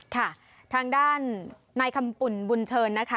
ค่ะทางด้านนายคำปุ่นบุญเชิญนะคะ